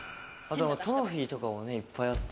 トロフィーとかもいっぱいあって。